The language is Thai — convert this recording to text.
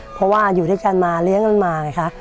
เพราะว่าอยู่ด้วยกันมาเลี้ยงกันมาไงคะ